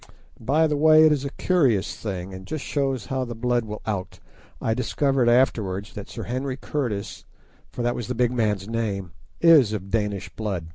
And by the way it is a curious thing, and just shows how the blood will out, I discovered afterwards that Sir Henry Curtis, for that was the big man's name, is of Danish blood.